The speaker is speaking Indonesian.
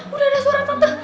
hah udah ada suara tante